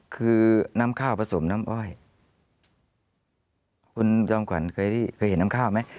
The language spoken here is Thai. คือน้ำข้าวผสมน้ำอ้อยคุณจอมขวัญเคยเห็นน้ำข้าวไหม